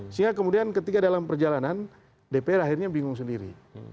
sehingga kemudian ketika dalam perjalanan dpr akhirnya bingung sendiri